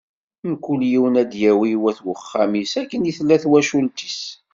Mkul yiwen ad d-yawi i wat uxxam-is, akken i tella twacult-is.